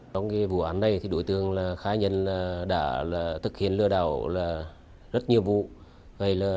trong vụ án này đối tượng khai nhận đã thực hiện lừa đảo rất nhiều vụ